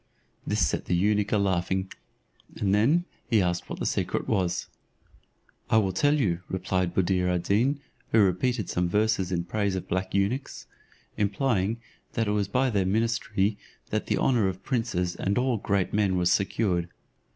This set the eunuch a laughing, and then he asked what that secret was. "I will tell you," replied Buddir ad Deen, who repeated some verses in praise of black eunuchs, implying, that it was by their ministry that the honour of princes and of all great men was secured.